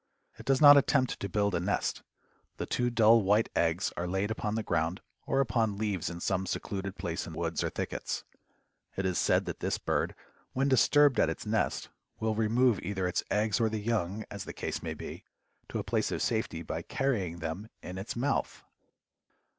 It does not attempt to build a nest. The two dull white eggs are laid upon the ground or upon leaves in some secluded place in woods or thickets. It is said that this bird, when disturbed at its nest, will remove either its eggs or the young, as the case may be, to a place of safety by carrying them in its mouth.